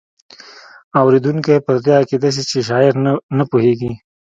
اوریدونکی پر دې عقیده شي چې شاعر نه پوهیږي.